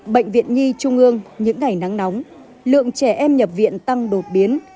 bệnh viện nhi trung ương những ngày nắng nóng lượng trẻ em nhập viện tăng đột biến